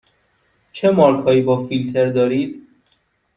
چه مارک هایی با فیلتر دارید؟